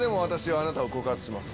あなたを告発します。